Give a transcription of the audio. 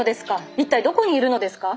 一体どこにいるのですか？